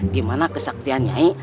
gimana kesaktian nyai